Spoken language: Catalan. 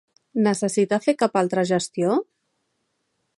Necessita fer cap altra gestió?